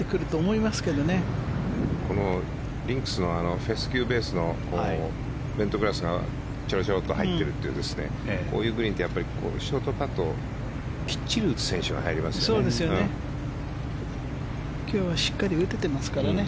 このリンクスのフェスキューベースのベントグラスがちょろちょろと入っているというこういうグリーンってショートカットきっちり打つ選手が入りますからね。